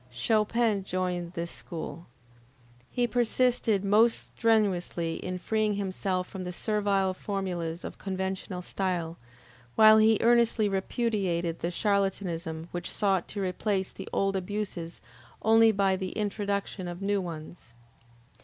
Chopin joined this school. He persisted most strenuously in freeing himself from the servile formulas of conventional style, while he earnestly repudiated the charlatanism which sought to replace the old abuses only by the introduction of new ones.